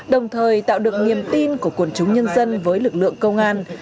đồng thời tạo được niềm tin của quần chúng nhân dân với lực lượng công an